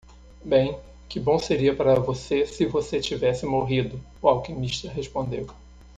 "Bem? que bom seria para você se você tivesse morrido " o alquimista respondeu.